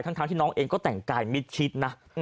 ทั้งที่น้องเองก็แต่งกายมิดชิดนะ